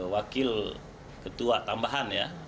wakil ketua tambahan ya